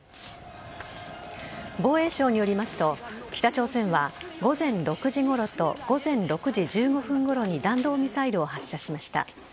防衛省によりますと北朝鮮は午前６時ごろと午前６時１５分ごろに弾道ミサイルを発射しました。